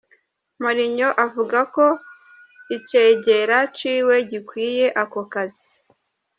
Mourinho avuga ko icegera ciwe "gikwiye" ako kazi.